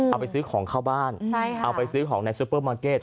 เอาไปซื้อของเข้าบ้านเอาไปซื้อของในซูเปอร์มาร์เก็ต